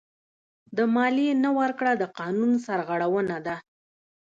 د مالیې نه ورکړه د قانون سرغړونه ده.